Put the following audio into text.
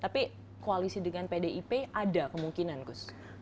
tapi koalisi dengan pdip ada kemungkinan gus